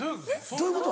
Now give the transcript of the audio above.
どういうこと？